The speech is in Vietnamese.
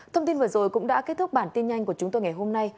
thông tin vừa rồi cũng đã kết thúc bản tin nhanh của chúng tôi ngày hôm nay